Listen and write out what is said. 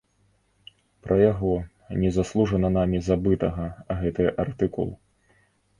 Пра яго, незаслужана намі забытага, гэты артыкул.